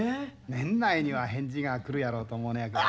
年内には返事が来るやろうと思うのやけど。